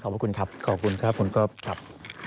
ขอบคุณครับ